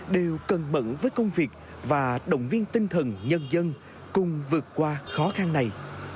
đều cẩn bẩn với công việc và động viên tinh thần nhân dân cùng vượt qua khó khăn này